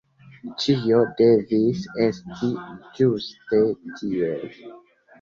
Ĉio devis esti ĝuste tiel.